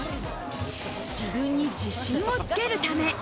自分に自信をつけるため。